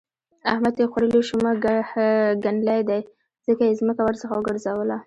احمد يې خوړلې شومه ګنلی دی؛ ځکه يې ځمکه ورڅخه وګرځوله.